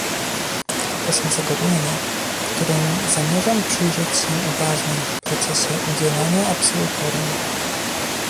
To są zagadnienia, którym zamierzam przyjrzeć się uważniej w procesie udzielania absolutorium